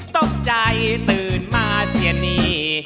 ตกใจตื่นมาเสียนี่